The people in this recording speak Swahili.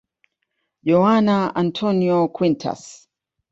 Joana Antónia Quintas.